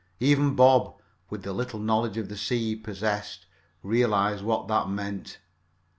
Even Bob, with the little knowledge of the sea he possessed, realized what that meant.